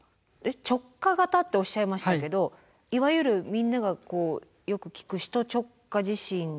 直下型っておっしゃいましたけどいわゆるみんながこうよく聞く首都直下地震に近いってことですか？